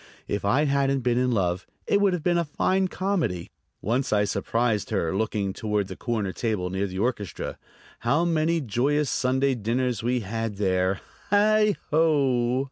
If I hadn't been in love it would have been a fine comedy. Once I surprised her looking toward the corner table near the orchestra. How many joyous Sunday dinners we had had there! Heigh ho!